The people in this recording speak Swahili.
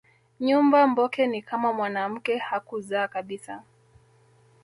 Nyumba mboke ni kama mwanamke hakuzaa kabisa